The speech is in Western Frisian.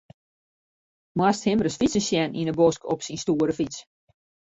Moatst him ris fytsen sjen yn 'e bosk op syn stoere fyts.